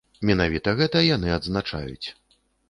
Менавіта гэта яны адзначаюць.